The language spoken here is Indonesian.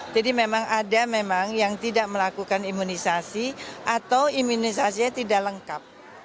jadi memang ada memang yang tidak melakukan imunisasi atau imunisasi yang tidak lengkap